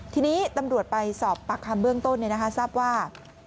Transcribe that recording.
ทีนี้ตำรวจไปสอบปากคำเบื้องต้นทราบว่า